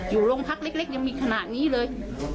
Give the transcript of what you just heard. อยู่โรงพักเล็กยังมีขนาดนี้เลย